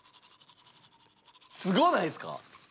すごないですか？